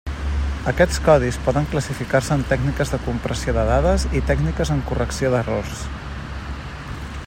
Aquests codis poden classificar-se en tècniques de compressió de dades i tècniques en correcció d'errors.